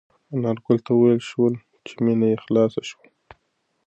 انارګل ته وویل شول چې مېنه یې خلاصه شوه.